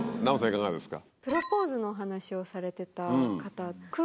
いかがですか？